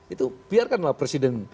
itu biarkan lah presiden